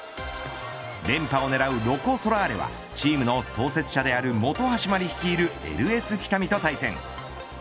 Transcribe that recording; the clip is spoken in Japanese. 連覇を狙うロコ・ソラーレはチームの創設者である本橋麻里率いるＬＳ北見と対戦。